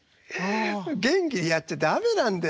「元気でやっちゃ駄目なんだよ。